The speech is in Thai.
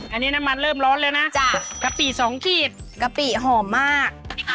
อันนี้น้ำมันเริ่มร้อนแล้วนะจ้ะกะปิสองขีดกะปิหอมมาก